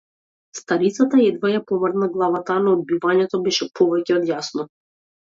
Старицата едвај ја помрдна главата, но одбивањето беше повеќе од јасно.